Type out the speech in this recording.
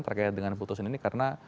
terkait dengan putusan ini karena